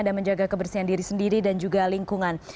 dan menjaga kebersihan diri sendiri dan juga lingkungan